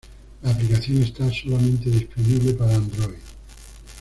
La aplicación está solamente disponible para Android.